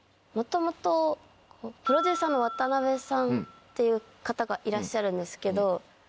元々プロデューサーの渡辺さんっていう方がいらっしゃるんですけど。